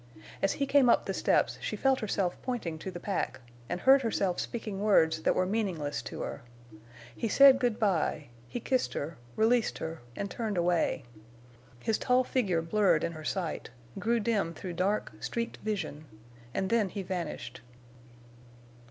As he came up the steps she felt herself pointing to the pack, and heard herself speaking words that were meaningless to her. He said good by; he kissed her, released her, and turned away. His tall figure blurred in her sight, grew dim through dark, streaked vision, and then he vanished.